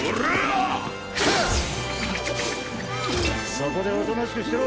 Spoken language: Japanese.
そこでおとなしくしてろ！